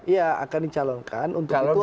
iya akan dicalonkan untuk